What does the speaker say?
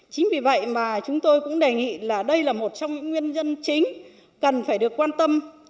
chính vì vậy mà chúng tôi cũng đề nghị là đây là một trong những nguyên nhân chính cần phải được quan tâm